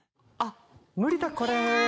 あっ無理だこれ。